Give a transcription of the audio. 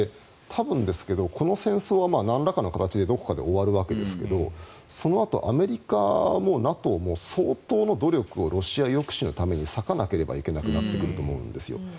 多分ですけどこの戦争はなんらかの形でどこかで終わるわけですけどそのあとアメリカもＮＡＴＯも相当の努力をロシア抑止のために割かなければいけなくなってくると思うんです。